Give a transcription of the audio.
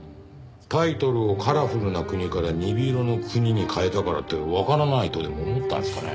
タイトルを『カラフルなくに』から『鈍色のくに』に変えたからってわからないとでも思ったんですかね？